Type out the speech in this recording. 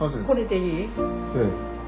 これでいい？ええ。